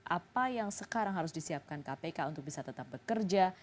apa yang sekarang harus disiapkan kpk untuk bisa tetap bekerja